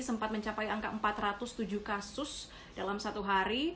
sempat mencapai angka empat ratus tujuh kasus dalam satu hari